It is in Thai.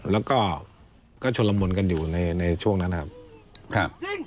แล้วก็ชนละมุนกันอยู่ในช่วงนั้นนะครับ